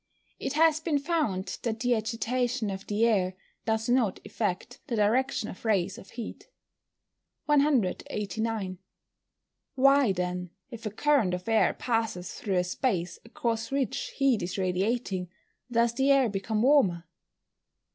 _ It has been found that the agitation of the air does not affect the direction of rays of heat. 189. _Why, then, if a current of air passes through a space across which heat is radiating, does the air become warmer?